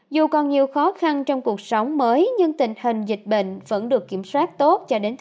dù còn nhiều khó khăn trong cuộc sống mới nhưng tình hình dịch bệnh vẫn được kiểm soát tốt cho đến thời điểm